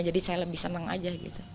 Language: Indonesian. jadi saya lebih senang saja